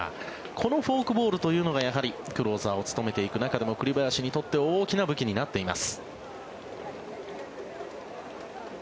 このフォークボールというのがクローザーを務めていく中でも栗林にとって大きな武器になっています。